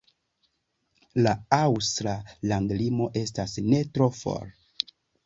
La aŭstra landlimo estas ne tro for.